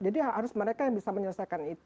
jadi harus mereka yang bisa menyelesaikan itu